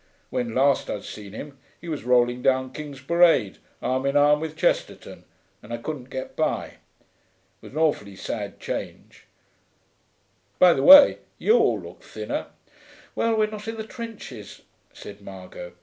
When last I'd seen him he was rolling down King's Parade arm in arm with Chesterton, and I couldn't get by. It was an awfully sad change.... By the way, you all look thinner.' 'Well, we're not in the trenches,' said Margot.